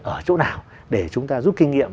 ở chỗ nào để chúng ta giúp kinh nghiệm